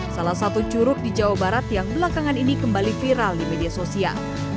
salah satu curug di jawa barat yang belakangan ini kembali viral di media sosial